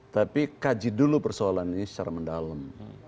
tapi kaji dulu persoalan ini secara mendalam